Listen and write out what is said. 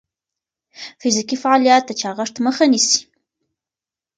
فزیکي فعالیت د چاغښت مخه نیسي.